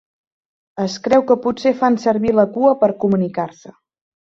Es creu que potser fan servir la cua per comunicar-se.